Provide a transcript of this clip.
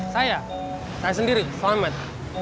saya saya sendiri selamat